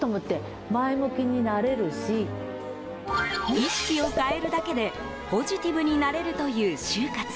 意識を変えるだけでポジティブになれるという終活。